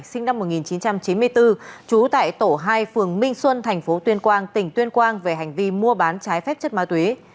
sinh năm một nghìn chín trăm chín mươi bốn trú tại tổ hai phường minh xuân tp tuyên quang tỉnh tuyên quang về hành vi mua bán trái phép chất ma túy